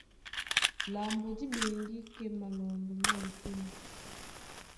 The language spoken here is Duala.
Lambo dí ɓeŋgí kɛ́ malɔndɔ má etûm.